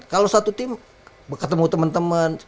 kalau satu tim ketemu temen temen